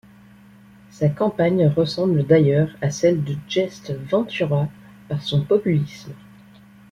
Sa campagne ressemble d'ailleurs à celle de Jesse Ventura par son populisme.